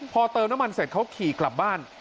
พอเติมน้ำมันเสร็จเขาขี่กลับบ้าน